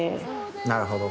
なるほど。